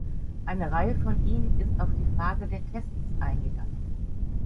Eine Reihe von Ihnen ist auf die Frage der Tests eingegangen.